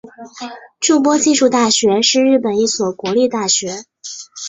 筑波技术大学是日本的一所国立大学。